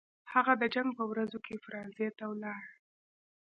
هغه د جنګ په ورځو کې فرانسې ته ولاړ.